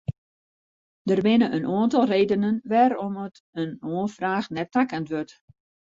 Der binne in oantal redenen wêrom't in oanfraach net takend wurdt.